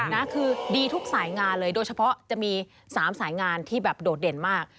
นะคือดีทุกสายงานเลยโดยเฉพาะจะมี๓สายงานที่แบบโดดเด่นมาก